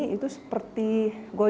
kita harus bisa memastikan hadir